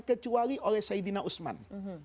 kecuali oleh sayyidina usman